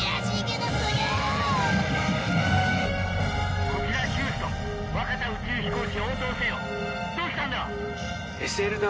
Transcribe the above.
「どうしたんだ！？」